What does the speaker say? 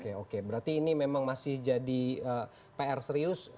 oke oke berarti ini memang masih jadi pr serius